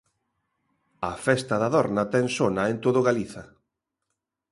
A Festa da Dorna ten sona en todo Galiza.